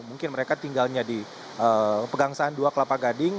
mungkin mereka tinggalnya di pegangsaan dua kelapa gading